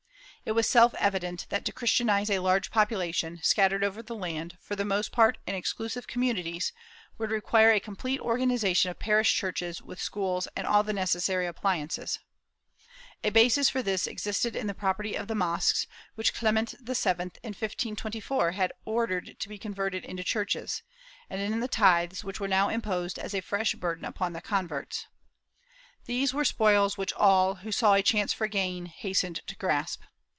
It was self evident that to Christianize a large population, scattered over the land, for the most part in exclusive communities, would require a complete organization of parish churches with schools and all the necessary appliances. A basis for this existed in the property of the mosques, which Clement VII, in 1524, had ordered * Boronat, I, 540 69. ' Gachard, Voyages des Souverains des Pays Bas, I, 208. 366 MORISCOS [Book VIII to be converted into churches, and in the tithes, which were now imposed as a fresh burden upon the converts. These were spoils which all, who saw a chance for gain, hastened to grasp.